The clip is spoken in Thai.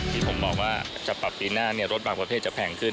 ที่ผมบอกว่าจะปรับปีหน้ารถบางประเภทจะแพงขึ้น